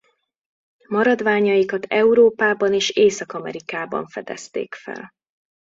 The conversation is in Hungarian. Maradványaikat Európában és Észak-Amerikában fedezték fel.